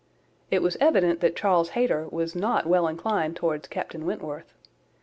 It was evident that Charles Hayter was not well inclined towards Captain Wentworth.